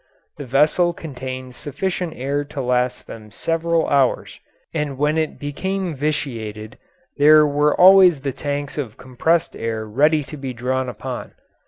The vessel contained sufficient air to last them several hours, and when it became vitiated there were always the tanks of compressed air ready to be drawn upon.